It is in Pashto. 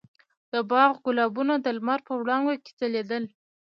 د باغ ګلابونه د لمر په وړانګو کې ځلېدل.